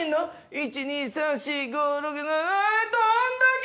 １２３４５６７ああどんだけ！